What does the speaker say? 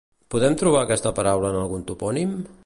Podem trobar aquesta paraula en algun topònim?